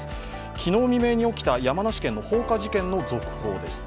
昨日未明に起きた山梨県の放火事件の続報です。